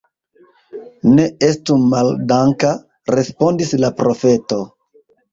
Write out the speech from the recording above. Ne estu maldanka, respondis la profeto.